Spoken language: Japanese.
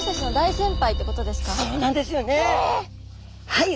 はい。